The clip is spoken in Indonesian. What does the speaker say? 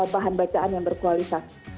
bahan bacaan yang berkualitas